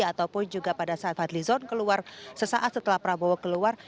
ataupun juga pada saat fadlizon keluar sesaat setelah prabowo keluar